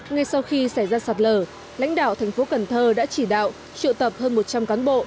ngay sau khi xảy ra sạt lở lãnh đạo thành phố cần thơ đã chỉ đạo triệu tập hơn một trăm linh cán bộ